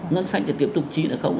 ngân sanh thì tiếp tục chị nữa không